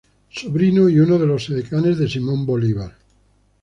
Sobrino y uno de los edecanes de Simón Bolívar.